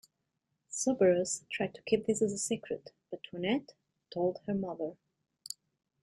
Soubirous tried to keep this a secret, but Toinette told her mother.